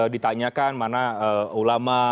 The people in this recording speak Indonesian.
ditanyakan mana ulama